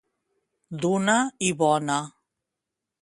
D'una i bona.